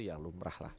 ya lumrah lah